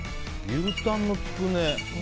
牛タンのつくね。